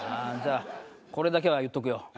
じゃあこれだけは言っとくよ。